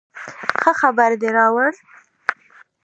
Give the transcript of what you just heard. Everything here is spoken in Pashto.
ښه خبر دې راوړ